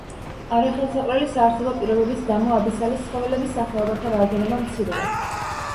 არახელსაყრელი საარსებო პირობების გამო აბისალის ცხოველების სახეობათა რაოდენობა მცირეა.